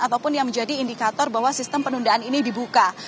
ataupun yang menjadi indikator bahwa sistem penundaan ini dibuka